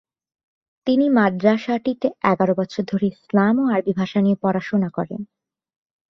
তিনি মাদ্রাসাটিতে এগারো বছর ধরে ইসলাম ও আরবি ভাষা নিয়ে পড়াশোনা করেন।